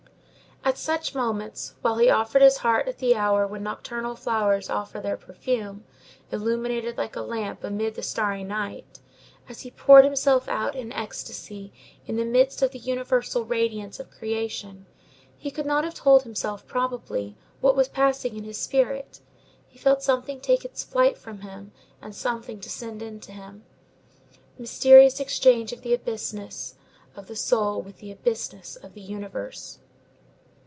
At such moments, while he offered his heart at the hour when nocturnal flowers offer their perfume, illuminated like a lamp amid the starry night, as he poured himself out in ecstasy in the midst of the universal radiance of creation, he could not have told himself, probably, what was passing in his spirit; he felt something take its flight from him, and something descend into him. Mysterious exchange of the abysses of the soul with the abysses of the universe!